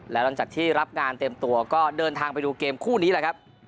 แล้วหลังจากที่รับงานเต็มตัวก็เดินทางไปดูเกมคู่นี้แหละครับ